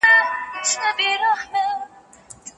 وزیر اکبرخان ځواکونو ته لارښوونه وکړه